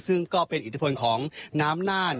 ซึ่งก็เป็นอิทธิพลของน้ำน่าน